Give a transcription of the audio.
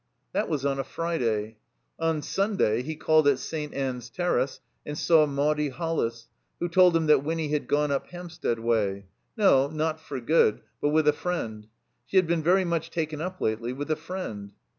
That was on a Friday. On Stmday he called at St. Ann's Terrace and saw Maudie HoUis, who told him that Winny had gone up Hampstead way. No, not for good, but with a friend. She had b«5n very much taken up lately with a friend.